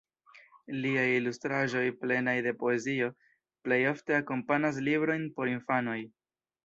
Liaj ilustraĵoj, plenaj de poezio, plej ofte akompanas librojn por infanoj.